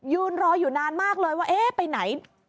ยืนรออยู่นานมากเลยว่าเอ๊ะไปไหน